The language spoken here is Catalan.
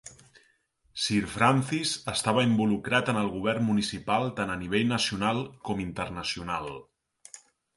Sir Francis estava involucrat en el govern municipal tant a nivell nacional com internacional.